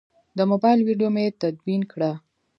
د موبایل ویدیو مې تدوین کړه.